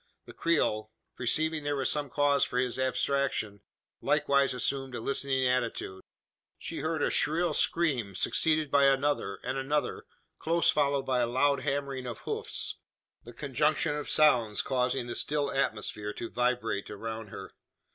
The Creole, perceiving there was some cause for his abstraction, likewise assumed a listening attitude. She heard a shrill scream, succeeded by another and another, close followed by a loud hammering of hoofs the conjunction of sounds causing the still atmosphere to vibrate around her.